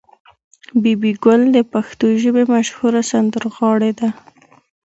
بي بي ګل د پښتو ژبې مشهوره سندرغاړې ده.